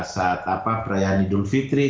saat perayaan idul fitri